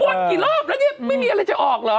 กี่รอบแล้วเนี่ยไม่มีอะไรจะออกเหรอ